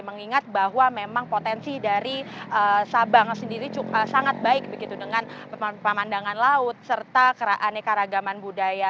mengingat bahwa memang potensi dari sabang sendiri sangat baik begitu dengan pemandangan laut serta keanekaragaman budaya